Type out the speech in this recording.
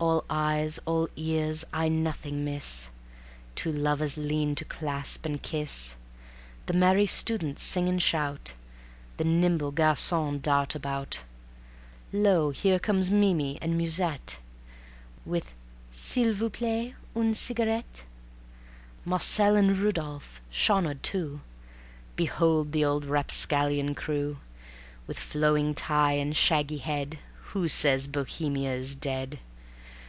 All eyes, all ears, I nothing miss: Two lovers lean to clasp and kiss; The merry students sing and shout, The nimble garcons dart about; Lo! here come Mimi and Musette With: "S'il vous plait, une cigarette?" Marcel and Rudolf, Shaunard too, Behold the old rapscallion crew, With flowing tie and shaggy head ... Who says Bohemia is dead?